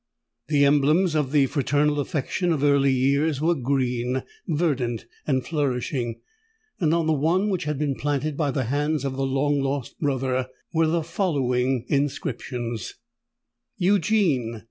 Those emblems of the fraternal affection of early years were green, verdant, and flourishing; and on the one which had been planted by the hands of the long lost brother, were the following inscriptions:— EUGENE.